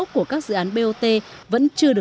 của các nhà đầu tư